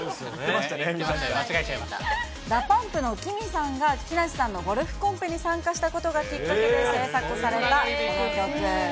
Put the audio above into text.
ＤＡＰＵＭＰのＫＩＭＩさんが、木梨さんのゴルフコンペに参加したことがきっかけで制作されたこの曲。